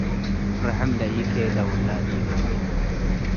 ርሕም ለኢኬደ፡ ውላድ ኢገብእ።